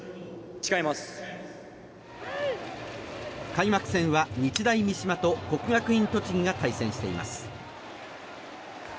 開幕戦は日大三島と国学院栃木が対戦しています。